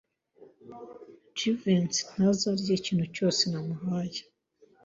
Jivency ntazarya ikintu cyose namuhaye.